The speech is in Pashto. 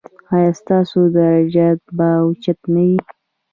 ایا ستاسو درجات به اوچت نه وي؟